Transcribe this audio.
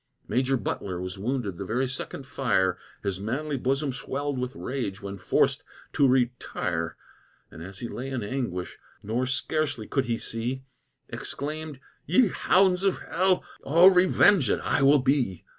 Major Butler was wounded the very second fire; His manly bosom swell'd with rage when forc'd to retire; And as he lay in anguish, nor scarcely could he see, Exclaim'd, "Ye hounds of hell! Oh, revenged I will be!"